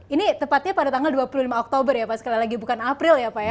ini tepatnya pada tanggal dua puluh lima oktober ya pak sekali lagi bukan april ya pak ya